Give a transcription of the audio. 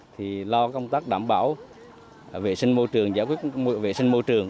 thì lo công tác đảm bảo vệ sinh môi trường giải quyết vệ sinh môi trường